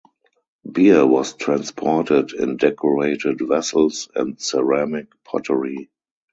Beer was transported in decorated vessels and ceramic pottery.